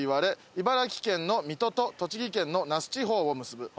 茨城県の水戸と栃木県の那須地方を結ぶ」